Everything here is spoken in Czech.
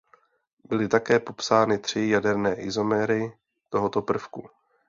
Byly také popsány tři jaderné izomery tohoto prvku.